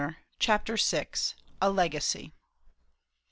CHAPTER VI. A LEGACY.